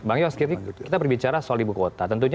bang yos kita berbicara soal ibu kota tentunya